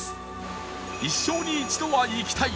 一生に一度は行きたい！